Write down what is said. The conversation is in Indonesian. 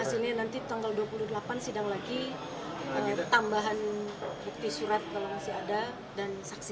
hasilnya nanti tanggal dua puluh delapan sidang lagi tambahan bukti surat kalau masih ada dan saksi